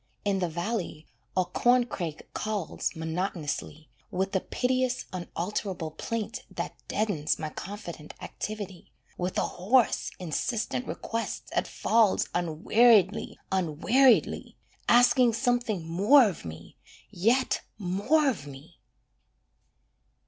In the valley, a corncrake calls Monotonously, With a piteous, unalterable plaint, that deadens My confident activity: With a hoarse, insistent request that falls Unweariedly, unweariedly, Asking something more of me, Yet more of me!